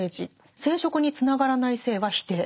「生殖につながらない性は否定」。